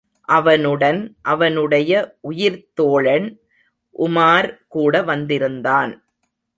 அவனுடன் அவனுடைய உயிர்த் தோழன், உமார் கூட வந்திருந்தான்.